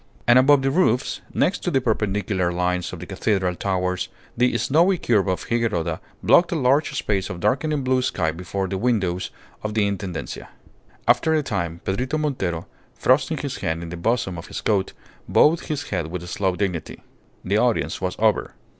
And above the roofs, next to the perpendicular lines of the cathedral towers the snowy curve of Higuerota blocked a large space of darkening blue sky before the windows of the Intendencia. After a time Pedrito Montero, thrusting his hand in the bosom of his coat, bowed his head with slow dignity. The audience was over.